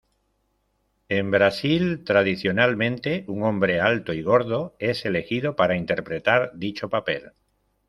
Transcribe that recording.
En Brasil, tradicionalmente, un hombre alto y gordo es elegido para interpretar dicho papel.